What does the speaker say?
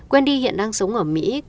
wendy hiện đang sống ở mỹ